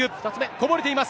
こぼれています。